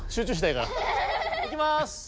いきます。